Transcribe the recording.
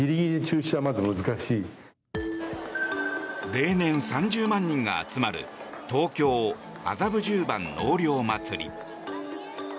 例年、３０万人が集まる東京・麻布十番納涼まつり。